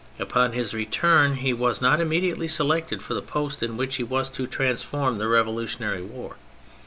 Upon his return he was not immediately selected for the post in which he was to transform the revolutionary war.